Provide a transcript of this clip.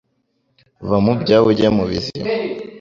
va mu byawe uge mu bizima